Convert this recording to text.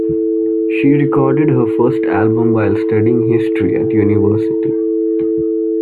She recorded her first album while studying history at university.